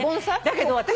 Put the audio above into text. だけど私